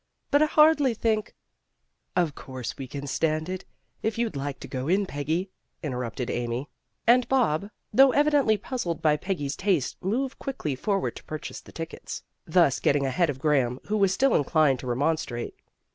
"But I hardly think " "Of course we can stand it, if you'd like to go in, Peggy," interrupted Amy. And Bob, though evidently puzzled by Peggy's taste moved quickly forward to purchase the tickets, thus getting ahead of Graham who was still inclined to remonstrate.